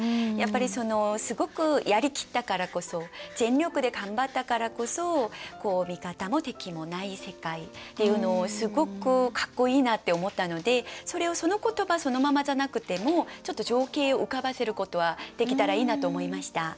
やっぱりそのすごくやりきったからこそ全力で頑張ったからこそ味方も敵もない世界っていうのをすごくかっこいいなって思ったのでそれをその言葉そのままじゃなくてもちょっと情景を浮かばせることはできたらいいなと思いました。